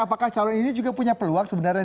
apakah calon ini juga punya peluang sebenarnya